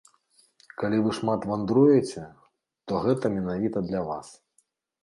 Калі вы шмат вандруеце, то гэта менавіта для вас.